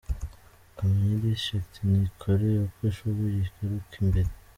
Kamonyi District nikore uko ishoboye igaruke imbere.